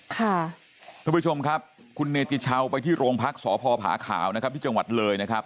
ท่านผู้ชมครับคุณเนติชาวไปที่โรงพักษพขาวนะครับที่จังหวัดเลยนะครับ